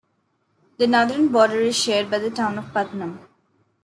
The northern border is shared by the town of Putnam.